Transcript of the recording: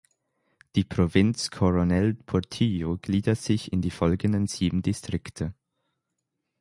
Die Provinz Coronel Portillo gliedert sich in die folgenden sieben Distrikte.